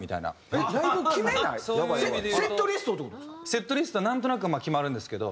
セットリストなんとなくはまあ決まるんですけど。